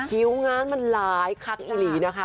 คิวงานมันหลายครั้งอีหลีนะคะ